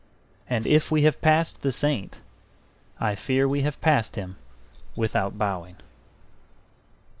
And if we have passed the saint, I fear we have passed him without bowing.